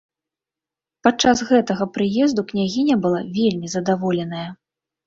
Падчас гэтага прыезду княгіня была вельмі задаволеная!